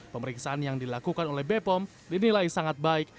pemeriksaan yang dilakukan oleh bepom dinilai sangat baik